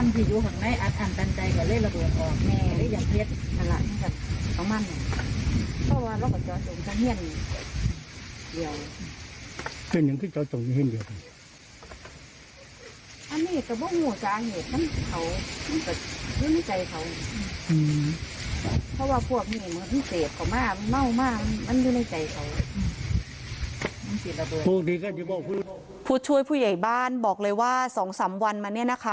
ผู้ช่วยผู้ใหญ่บ้านบอกเลยว่า๒๓วันมาเนี่ยนะคะ